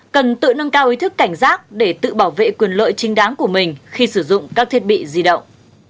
cần tự nâng cao ý thức cảnh giác để tự bảo vệ quyền lợi trinh đáng của mình khi sử dụng các thiết bị di động